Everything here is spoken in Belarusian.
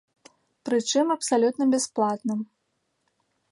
Пры чым абсалютна бясплатна.